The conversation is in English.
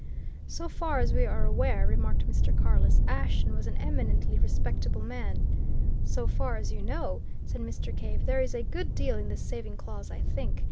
"So far as we are aware," remarked Mr. Carless, "Ashton was an eminently respectable man!" "So far as you know!" said Mr. Cave. "There is a good deal in the saving clause, I think.